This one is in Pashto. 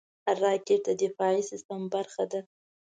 راکټ د دفاعي سیستم برخه ده